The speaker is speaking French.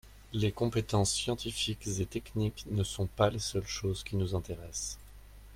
Les compétences scientifiques et techniques ne sont pas les seules choses qui nous intéressent.